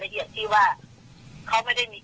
กายละเอียดเหมือนสวรรค์เหมือนเทพอะไรอย่างเงี้ย